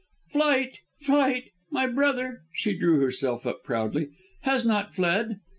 "Flight! flight! My brother," she drew herself up proudly, "has not fled."